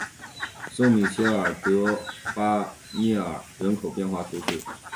圣米歇尔德巴涅尔人口变化图示